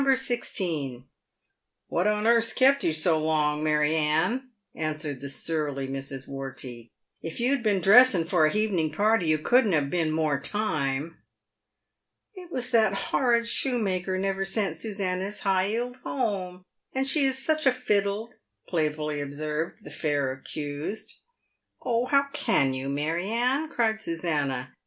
16." " "What on h' earth's kept you so long, Mary h'Anne ?" answered the surly Mrs. "Wortey. " If you'd been dressing for a h' evening party you couldn't have been more time." " It was that horrid shoemaker never sent Susannah's high 'eeled home ; and she is such a fiddle," playfully observed the fair accused. "Oh! how can you, Mary Anne," cried Susannah.